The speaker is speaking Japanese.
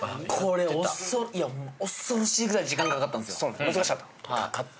これ恐ろしいぐらい時間かかったんですよ・